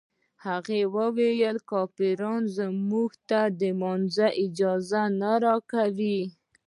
هغه ویل کافران موږ ته د لمانځه اجازه نه راکوي.